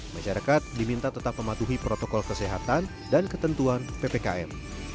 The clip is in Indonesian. masyarakat diminta tetap mematuhi protokol kesehatan dan ketentuan ppkm